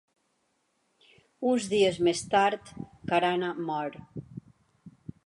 Uns dies més tard, Karana mor.